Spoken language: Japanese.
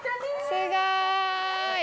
すごーい。